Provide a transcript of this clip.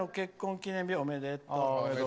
記念日おめでとう。